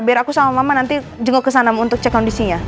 biar aku sama mama nanti jenguk ke sana untuk cek kondisinya